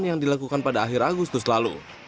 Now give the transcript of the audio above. yang dilakukan pada akhir agustus lalu